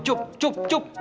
cuk cuk cuk